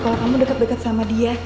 kalau kamu deket deket sama dia